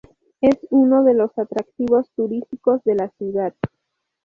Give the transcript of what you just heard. Es uno de los atractivos turísticos de la ciudad.